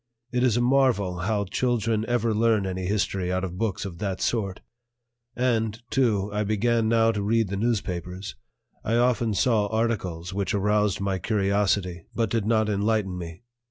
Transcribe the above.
It is a marvel how children ever learn any history out of books of that sort. And, too, I began now to read the newspapers; I often saw articles which aroused my curiosity, but did not enlighten me.